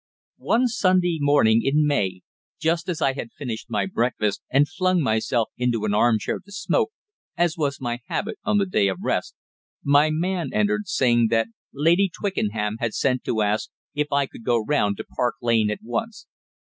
One Sunday morning in May, just as I had finished my breakfast and flung myself into an armchair to smoke, as was my habit on the day of rest, my man entered, saying that Lady Twickenham had sent to ask if I could go round to Park Lane at once.